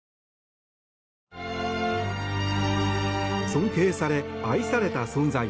尊敬され、愛された存在